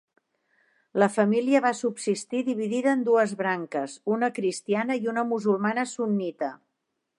La família va subsistir dividida en dues branques, una cristiana i una musulmana sunnita.